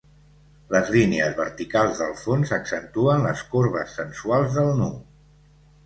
Les línies verticals del fons accentuen les corbes sensuals del nu.